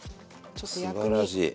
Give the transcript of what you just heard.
すばらしい。